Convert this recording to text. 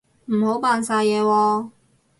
唔好扮晒嘢喎